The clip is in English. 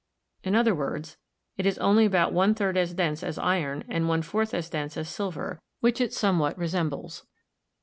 In other words, it is only about one third as dense as iron and one fourth as dense as silver, which it somewhat resembles.